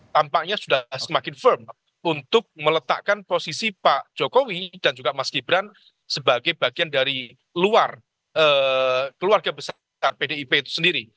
tampaknya sudah semakin firm untuk meletakkan posisi pak jokowi dan juga mas gibran sebagai bagian dari luar keluarga besar pdip itu sendiri